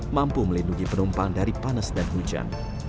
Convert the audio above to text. mampu melindungi penumpang dari panas dan hujan